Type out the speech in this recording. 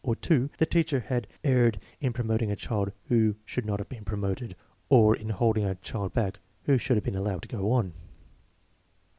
or (&) the teacher had erred in promoting a child who should not have been promoted, or in holding a child back who should have been allowed to go on.